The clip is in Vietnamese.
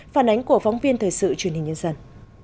phản ánh của phóng viên thời sự truyền hình nhân dân